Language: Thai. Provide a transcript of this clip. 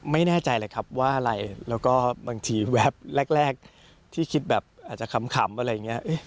ไม่แน่ใจเลยครับว่าอะไรแล้วก็บางทีแวบแรกที่คิดแบบอาจจะขำอะไรอย่างนี้